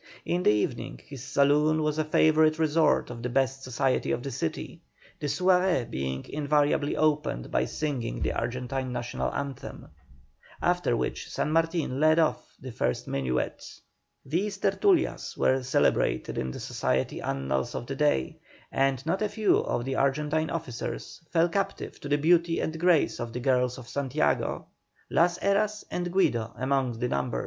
In the evening his saloon was a favourite resort of the best society of the city, the soirée being invariably opened by singing the Argentine National Hymn, after which San Martin led off the first minuet. These "tertulias" were celebrated in the society annals of the day; and not a few of the Argentine officers fell captive to the beauty and grace of the girls of Santiago, Las Heras and Guido among the number.